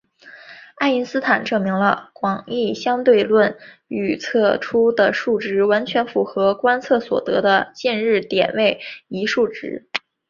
爱因斯坦证明了广义相对论预测出的数值完全符合观测所得的近日点位移数值。